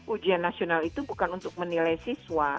ujian nasional itu bukan untuk menilai siswa